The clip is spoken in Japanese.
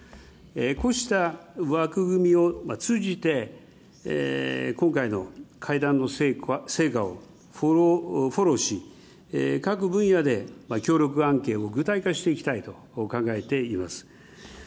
こうした枠組みを通じて、今回の会談の成果をフォローし、各分野で協力関係を具体化していきたいと考えています。